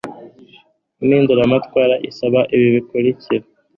impinduramatwara isaba ibi bikurikira